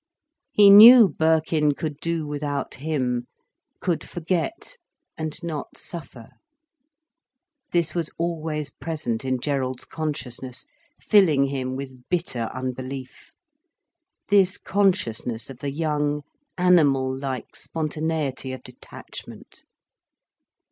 He knew Birkin could do without him—could forget, and not suffer. This was always present in Gerald's consciousness, filling him with bitter unbelief: this consciousness of the young, animal like spontaneity of detachment.